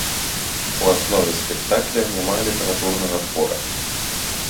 У аснове спектакля няма літаратурнага твора.